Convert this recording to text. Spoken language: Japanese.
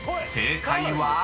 ［正解は⁉］